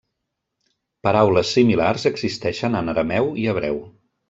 Paraules similars existeixen en arameu i hebreu.